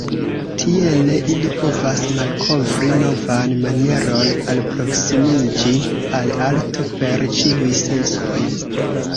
Tiele ili povas malkovri novan manieron alproksimiĝi al arto per ĉiuj sensoj.